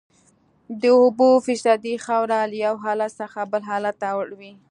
د اوبو فیصدي خاوره له یو حالت څخه بل حالت ته اړوي